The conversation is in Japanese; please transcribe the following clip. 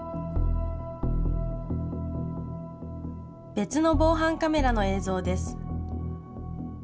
別の防犯カメラの映像です。